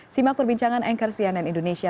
simak perbincangan anchor cnn indonesia